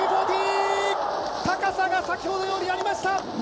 高さが先ほどよりありました。